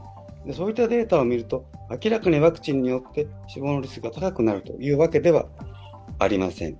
そういったデータを見ると明らかにワクチンによって死亡率が高くなるわけではありません。